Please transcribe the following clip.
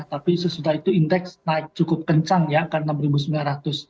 tapi sesudah itu indeks naik cukup kencang ya ke rp enam sembilan ratus